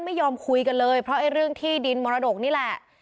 ไม่ยอมคุยกันเลยเพราะไอ้เรื่องที่ดินมรดกนี่แหละ